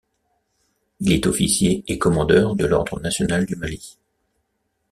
Il est officier et commandeur de l’Ordre national du Mali.